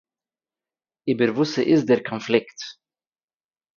איבער וואס ס'איז דער קאנפליקט